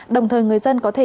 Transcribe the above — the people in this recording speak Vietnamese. đồng thời người dân có thể